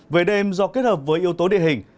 về đêm do kết hợp với yếu tố địa hình